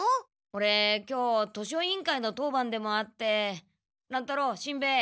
オレ今日図書委員会の当番でもあって乱太郎しんベヱ。